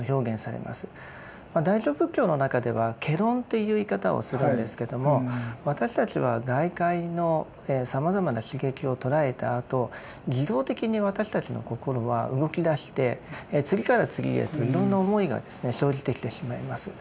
大乗仏教の中では「戯論」という言い方をするんですけども私たちは外界のさまざまな刺激をとらえたあと自動的に私たちの心は動き出して次から次へといろんな思いがですね生じてきてしまいます。